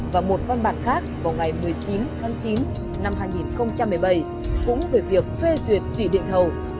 và một văn bản khác vào ngày một mươi chín tháng chín năm hai nghìn một mươi bảy cũng về việc phê duyệt chỉ định thầu